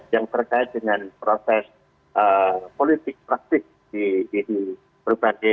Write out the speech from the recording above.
yang terkait dengan proses politik praktik di berbagai